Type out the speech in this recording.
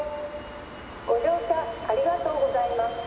ご乗車ありがとうございます」